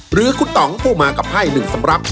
หรือคุณต๋องผู้มากับไทยหนึ่งสำหรับ